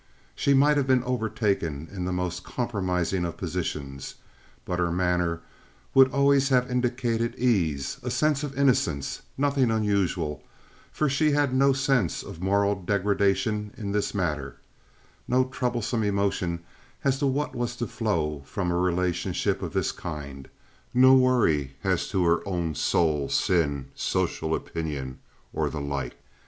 She might have been overtaken in the most compromising of positions, but her manner would always have indicated ease, a sense of innocence, nothing unusual, for she had no sense of moral degradation in this matter—no troublesome emotion as to what was to flow from a relationship of this kind, no worry as to her own soul, sin, social opinion, or the like.